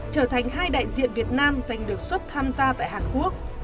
trở thành hai đại diện việt nam giành được xuất tham gia tại hàn quốc